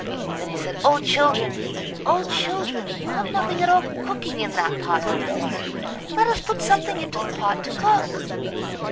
Then he said, "O, children! O, children! You have nothing at all cooking in that pot over the fire. Let us put something into the pot to cook."